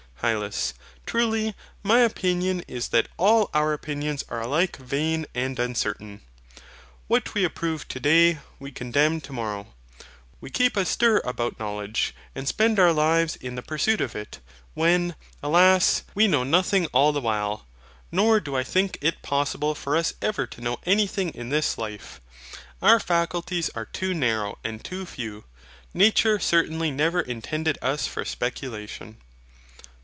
HYLAS. Truly my opinion is that all our opinions are alike vain and uncertain. What we approve to day, we condemn to morrow. We keep a stir about knowledge, and spend our lives in the pursuit of it, when, alas I we know nothing all the while: nor do I think it possible for us ever to know anything in this life. Our faculties are too narrow and too few. Nature certainly never intended us for speculation.